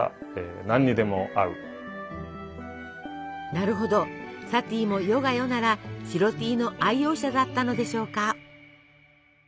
なるほどサティも世が世なら白Ｔの愛用者だったのでしょうか。